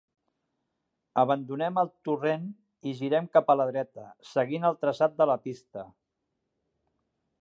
Abandonem el torrent i girem cap a la dreta, seguint el traçat de la pista.